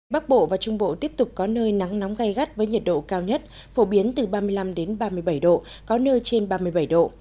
bắc bộ và trung bộ tiếp tục có nơi nắng nóng gai gắt với nhiệt độ cao nhất phổ biến từ ba mươi năm ba mươi bảy độ có nơi trên ba mươi bảy độ